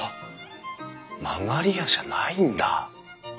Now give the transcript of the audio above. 曲り家じゃないんだ。